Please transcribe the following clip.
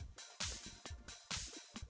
ke peng login